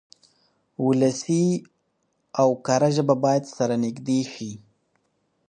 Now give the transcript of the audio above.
ولسي او کره ژبه بايد سره نږدې شي.